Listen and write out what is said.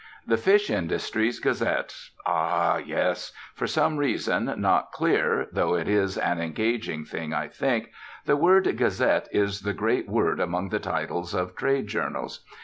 The Fish Industries Gazette Ah, yes! For some reason not clear (though it is an engaging thing, I think) the word "gazette" is the great word among the titles of trade journals.